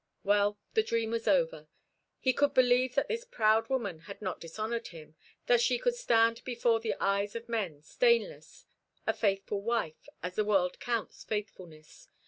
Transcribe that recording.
Well, the dream was over. He could believe that this proud woman had not dishonoured him, that she could stand before the eyes of men stainless, a faithful wife, as the world counts faithfulness.